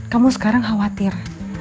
kamu sekarang khawatir